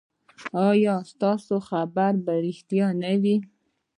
ایا ستاسو خبر به ریښتیا نه وي؟